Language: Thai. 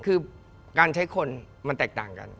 คือการใช้คนมันแตกต่างกัน